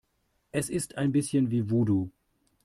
Es ist ein bisschen wie Voodoo.